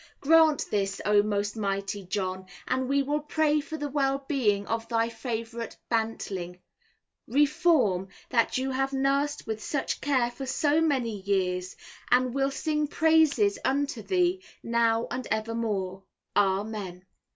Grant this, O most mighty John, and we will pray for the well being of thy favourite bantling, Reform, that you have nursed with such care for so many years, and will sing praises unto thee, now and evermore. Amen.